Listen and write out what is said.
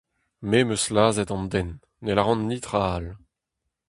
Me 'm eus lazhet an den ; ne lâran netra all.